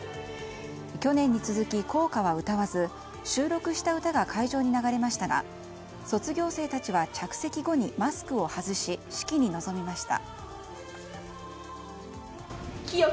去年に続き校歌は歌わず収録した歌が会場に流れましたが卒業生たちは着席後にマスクを外し式に臨みました。